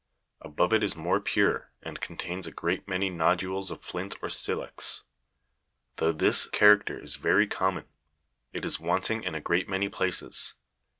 Above it is more pure, and contains a great many nodules of flint or silex. Though this character is very common, it is wanting in a great many places.